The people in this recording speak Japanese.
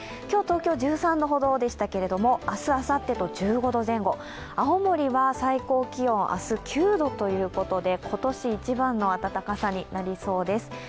今日、東京１３度ほどでしたけれども明日あさってと１５度前後、青森は明日９度ということで、今年一番の暖かさになりそうです。